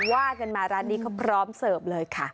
ว่ากันมาร้านนี้เขาพร้อมเสิร์ฟเลยค่ะ